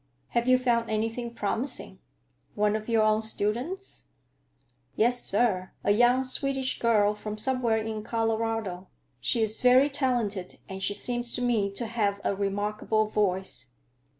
"Have you found anything promising? One of your own students?" "Yes, sir. A young Swedish girl from somewhere in Colorado. She is very talented, and she seems to me to have a remarkable voice."